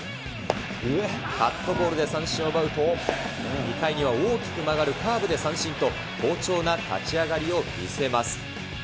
カットボールで三振を奪うと、２回には大きく曲がるカーブで三振と、好調な立ち上がりを見せます。